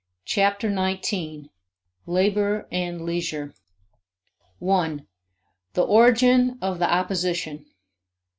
Chapter Nineteen: Labor and Leisure 1. The Origin of the Opposition.